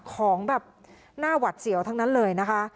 ของแบบหน้าหวัดเสียวทั้งนั้นเลยนะคะ